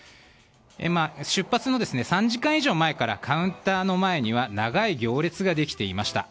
出発の３時間以上前からカウンターの前には長い行列ができていました。